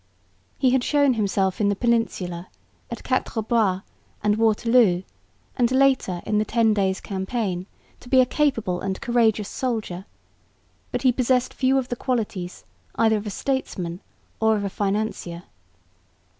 He had shown himself in the Peninsula, at Quatre Bras and Waterloo and later in the Ten Days' Campaign, to be a capable and courageous soldier, but he possessed few of the qualities either of a statesman or a financier.